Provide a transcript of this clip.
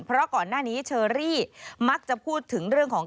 เพราะก่อนหน้านี้เชอรี่มักจะพูดถึงเรื่องของ